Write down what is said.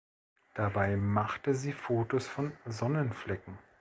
Dabei machte sie Fotos von Sonnenflecken.